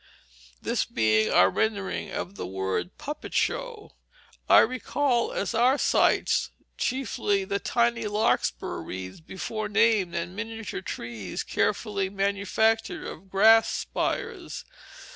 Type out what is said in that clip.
This being our rendering of the word "puppet show." I recall as our "sights" chiefly the tiny larkspur wreaths before named, and miniature trees carefully manufactured of grass spires.